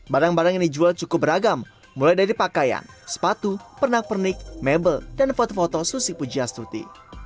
barang barang yang dijual cukup beragam mulai dari pakaian sepatu pernak pernik mebel dan foto foto susi pujiastuti